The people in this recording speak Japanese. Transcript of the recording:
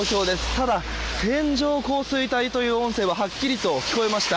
ただ、線状降水帯という音声ははっきりと聞こえました。